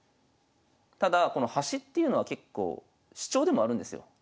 ただこの端っていうのは結構主張でもあるんですよ。